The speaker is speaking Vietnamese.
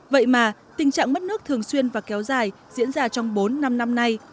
vậy mà tình trạng mất nước thường xuyên và kéo dài diễn ra trong bốn năm năm nay